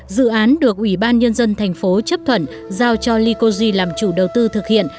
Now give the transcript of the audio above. dự án được ủy ban nhân dân thành phố chấp thuận giao cho likogi làm chủ đầu tư thực hiện